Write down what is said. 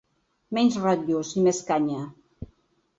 Menys rotllos i més canya!